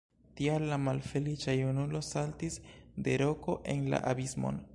Tial la malfeliĉa junulo saltis de roko en la abismon.